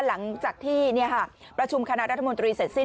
หลังจากที่ประชุมคณะรัฐมนตรีเสร็จสิ้น